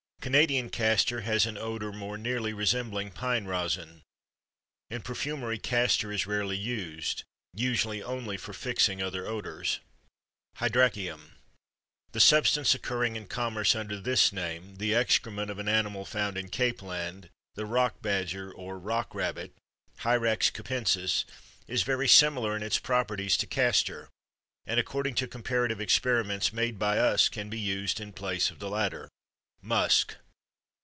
Canadian castor has an odor more nearly resembling pine resin. In perfumery castor is rarely used, usually only for fixing other odors. HYRACEUM. The substance occurring in commerce under this name, the excrement of an animal found in Capeland, the rock badger or rock rabbit (Hyrax capensis), is very similar in its properties to castor, and according to comparative experiments made by us can be used in place of the latter. MUSK.